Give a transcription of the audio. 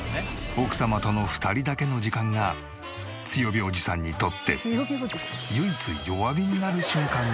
奥様との２人だけの時間が強火おじさんにとって唯一弱火になる瞬間なんだそう。